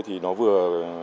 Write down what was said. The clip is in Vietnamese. thì nó vừa